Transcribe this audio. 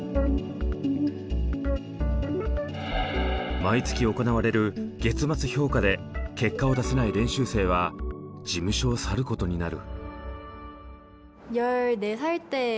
毎月行われる「月末評価」で結果を出せない練習生は事務所を去ることになる。